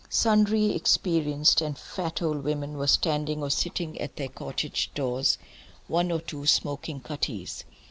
Sundry experienced and fat old women were standing or sitting at their cottage doors, one or two smoking cutties.